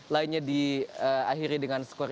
lainnya diakhiri dengan skor